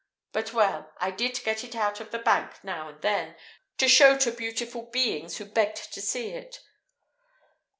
But, well, I did get it out of the bank now and then, to show to beautiful beings who begged to see it.